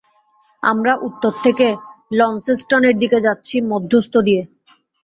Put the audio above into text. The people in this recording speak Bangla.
আমরা উত্তর থেকে লন্সেস্টন এর দিকে যাচ্ছি মধ্যস্থ দিয়ে।